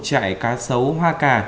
chạy cá sấu hoa cà